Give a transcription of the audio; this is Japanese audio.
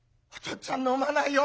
っつぁん飲まないよ。